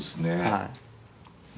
はい。